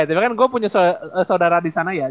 eh tapi kan gua punya saudara disana ya